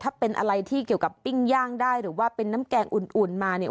ถ้าเป็นอะไรที่เกี่ยวกับปิ้งย่างได้หรือว่าเป็นน้ำแกงอุ่นมาเนี่ย